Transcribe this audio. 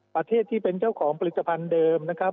ที่เป็นเจ้าของผลิตภัณฑ์เดิมนะครับ